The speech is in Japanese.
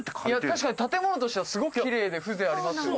確かに建物としてはすごくキレイで風情ありますよ。